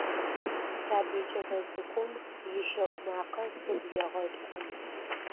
Сабый кӏэлэцӏыкӏум ищэӏу макъэ сыгу егъэткӏу.